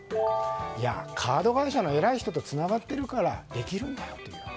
カード会社の偉い人とつながっているからできるんだよと。